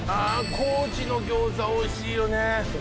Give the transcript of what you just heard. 高知の餃子おいしいよね